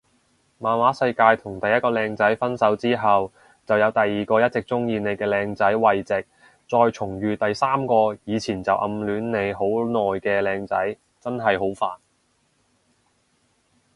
漫畫世界同第一個靚仔分手之後就有第二個一直鍾意你嘅靚仔慰藉再重遇第三個以前就暗戀你好耐嘅靚仔，真係好煩